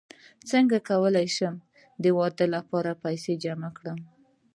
څنګه کولی شم د واده لپاره پیسې جمع کړم